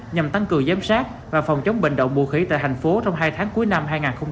nhằm tăng cường giám sát và phòng chống bệnh đậu mũ khỉ tại thành phố trong hai tháng cuối năm hai nghìn hai mươi